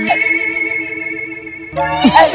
kalo ada yang ngejam gitar